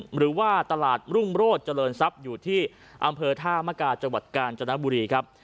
หรือว่าตลาดรุ่งโรธเจริญทรัพย์อยู่ที่อำเภอท่ามกาจังหวัดกาญจนบุรีครับ